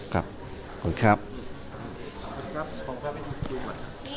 ก็เร็วนี้ครับขอบคุณครับ